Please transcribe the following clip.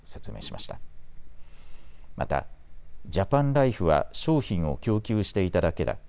また、ジャパンライフは商品を供給していただけだ。